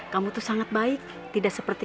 kamu tuh sangat baik tidak sampai berhenti